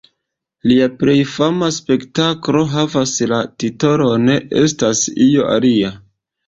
Lia plej fama spektaklo havas la titolon "Estas io alia".